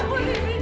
satu ya ampun